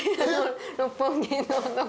六本木の。